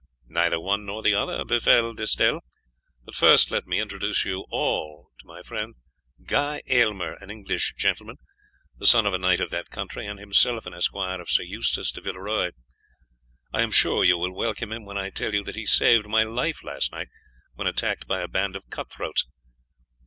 "Neither one nor the other befell, D'Estelle. But first let me introduce to you all my friend Guy Aylmer, an English gentleman, the son of a knight of that country, and himself an esquire of Sir Eustace de Villeroy. I am sure you will welcome him when I tell you that he saved my life last night when attacked by a band of cut throats.